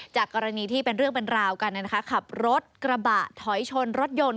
จากกรณีที่เป็นเรื่องเป็นราวกันนะคะขับรถกระบะถอยชนรถยนต์